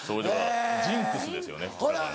ジンクスですよね。